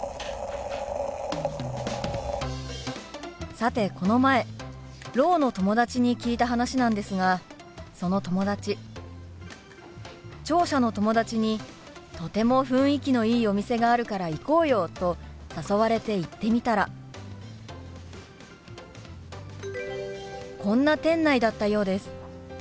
さてこの前ろうの友達に聞いた話なんですがその友達聴者の友達にとても雰囲気のいいお店があるから行こうよと誘われて行ってみたらこんな店内だったようです。